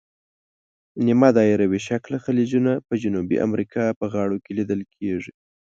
نیمه دایروي شکله خلیجونه په جنوبي امریکا په غاړو کې لیدل کیږي.